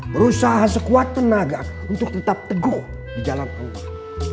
berusaha sekuat tenaga untuk tetap teguh di jalan allah